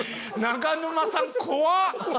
長沼さん怖っ！